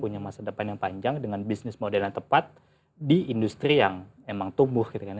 punya masa depan yang panjang dengan bisnis model yang tepat di industri yang emang tumbuh gitu kan